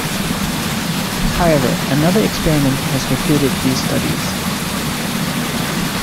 However, another experiment has refuted these studies.